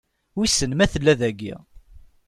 Wissen ma tella dagi?